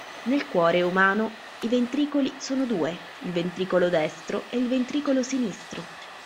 Nel cuore umano i ventricoli sono due, il ventricolo destro e il ventricolo sinistro.